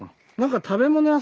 食べ物屋？